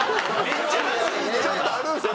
ちょっとあるんですよ。